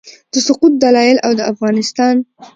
د سقوط دلایل او د افغانستان